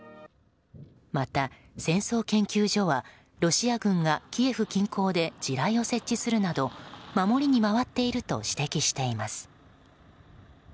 また、戦争研究所はロシア軍がキエフ近郊で地雷を設置するなど守りに回っていると指摘しています。